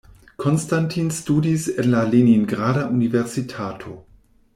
Konstantin studis en la Leningrada Universitato.